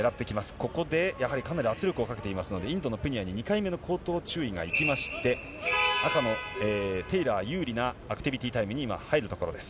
ここでやはりかなり圧力をかけていますので、インドのプニアに２回目の口頭注意がいきまして、赤のテイラー有利なアクティビティタイムに、今入るところです。